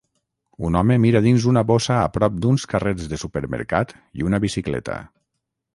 Un home mira dins una bossa a prop d'uns carrets de supermercat i una bicicleta.